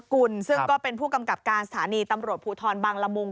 กุลซึ่งก็เป็นผู้กำกับการสถานีตำรวจภูทรบังละมุง